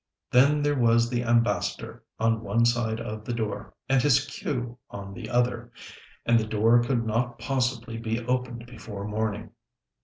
] Then there was the Ambassador on one side of the door, and his queue on the other, and the door could not possibly be opened before morning.